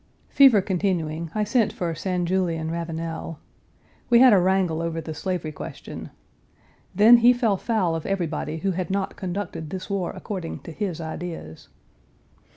Fever continuing, I sent for St. Julien Ravenel. We had a wrangle over the slavery question. Then, he fell foul of everybody who had not conducted this war according to his ideas.